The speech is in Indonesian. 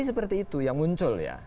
seperti itu yang muncul ya